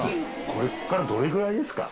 こっからどれぐらいですか？